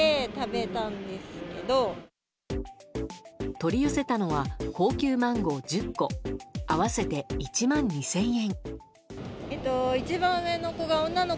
取り寄せたのは高級マンゴー１０個合わせて１万２０００円。